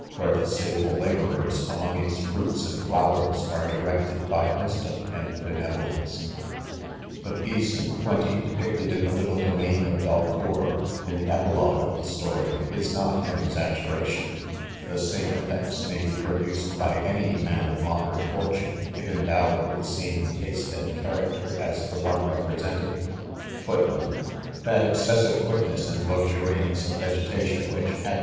Where the sable labourers among its fruits and flowers, are directed by ■wisdom and benevolence* The peace and plenty depicted in the little domain of Balcony in the epilogue of the story, is not an eiaggera tion :■ the same effects may be produced hj any man of Moderate fortune if endowed "with the same taste and character as the one represented.* Mot only slavery, but servitude, of all kinds, seems, at.